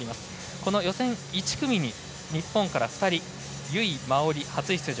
この予選１組に日本から２人由井真緒里、初出場。